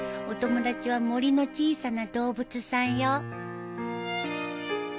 お友達は森の小さな動物さんよ